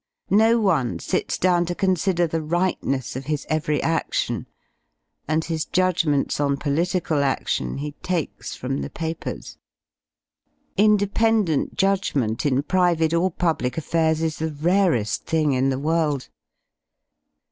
No one sits down to consider the rightness of his every adlion, and his judgments on political a6lion he 1 takes from the papers. —^ 73 Independent judgment in private or public affairs is the rare^ thing in the world.